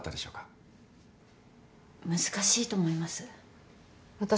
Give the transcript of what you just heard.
私も難しいと思います。